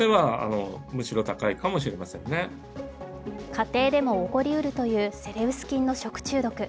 家庭でも起こりうるというセレウス菌の食中毒。